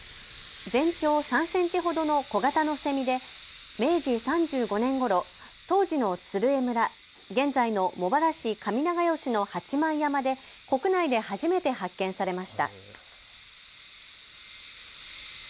全長３センチほどの小型のセミで明治３５年ごろ、当時の鶴枝村、現在の茂原市上永吉の八幡山で国内で初めて発見されました。